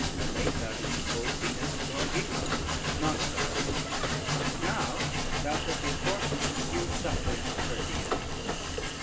A late thou didst hold Venus for a giglot, not a goddess, and now thou shalt be forced to sue suppliant to her deity.